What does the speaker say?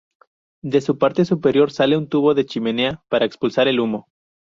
De su parte superior sale un tubo de chimenea para expulsar el humo.